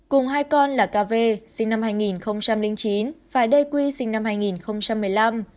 cùng hai con là kv sinh năm hai nghìn chín và đây quy sinh năm hai nghìn một mươi năm